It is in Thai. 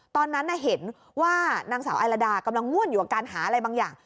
ตอนนั้นเห็นว่านางสาวไอลาดากำลังง่วนอยู่กับการหาอะไรบางอย่าง